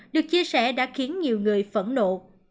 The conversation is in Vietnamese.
được chia sẻ đã khiến nhiều người phẫn nộ